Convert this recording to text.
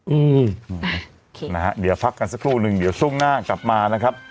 อืมนะฮะเดี๋ยวพักกันสักครู่นึงเดี๋ยวช่วงหน้ากลับมานะครับ